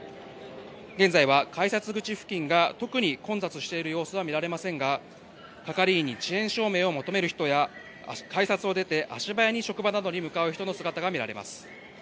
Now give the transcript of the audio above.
現在は改札口付近が特に混雑している様子は見られませんが係員に遅延証明を求める人や改札を出て足早に職場などに向かう人の姿が見られます。